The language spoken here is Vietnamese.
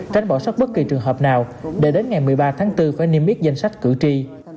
tránh bỏ sót bất kỳ trường hợp nào để đến một mươi ba bốn phải niêm biết danh sách cử tri